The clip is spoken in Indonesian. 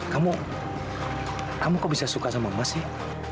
kamu kamu kok bisa suka sama emas sih